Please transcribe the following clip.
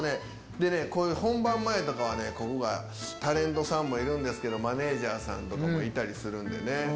でね本番前とかはここがタレントさんもいるんですけどマネジャーさんとかもいたりするんでね。